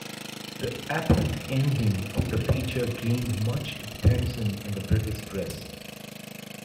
The apparent ending of the feature gained much attention in the British press.